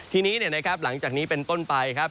ทีนี้นะครับหลังจากนี้เป็นต้นไปครับ